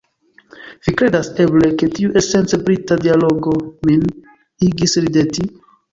Vi kredas, eble, ke tiu esence Brita dialogo min igis rideti?